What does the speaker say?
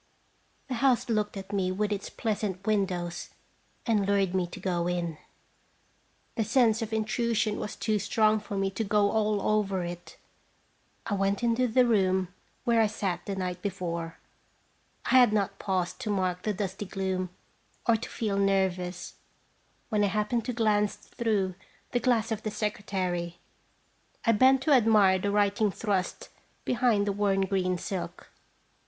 The house looked at me with its pleasant windows, and lured me to go in. The sense of intrusion was too strong for me to go all over it. I went into the room where I sat the night before. I had not paused to mark the dusty gloom, or to feei nervous, when I happened to glance througn the glass of the secretary. I bent to admire the writing thrust behind the worn green silk.